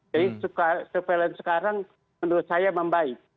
jadi surveillance sekarang menurut saya membaik